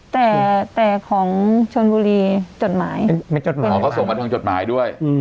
แต่ของชนบุรีจดหมายเขาส่งมาจดหมายด้วย